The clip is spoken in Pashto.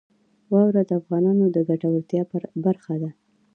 واوره د افغانانو د ګټورتیا برخه ده.